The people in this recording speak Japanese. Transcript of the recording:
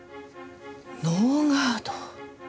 ノーガード。